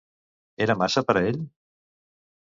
Era massa per a ell?